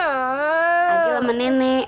agil sama nenek